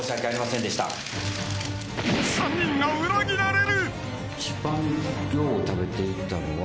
［３人が裏切られる］